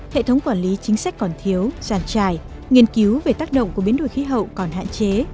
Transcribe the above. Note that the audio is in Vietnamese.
hệ thống quản lý chính sách còn thiếu giàn trải nghiên cứu về tác động của biến đổi khí hậu còn hạn chế